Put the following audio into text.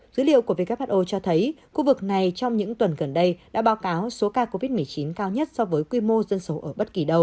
dữ liệu của who cho thấy khu vực này trong những tuần gần đây đã báo cáo số ca covid một mươi chín cao nhất so với quy mô dân số ở bất kỳ đâu